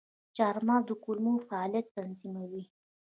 چارمغز د کولمو فعالیت تنظیموي.